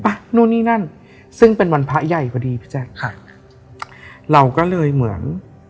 นู่นนี่นั่นซึ่งเป็นวันพระใหญ่พอดีพี่แจ๊คค่ะเราก็เลยเหมือน